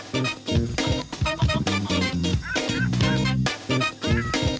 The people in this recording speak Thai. โปรดติดตามตอนต่อไป